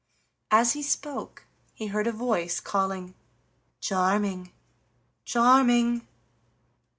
As he spoke he heard a voice calling: "Charming, Charming!"